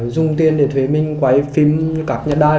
dùng tiền để thuê minh quay phim các nhà đài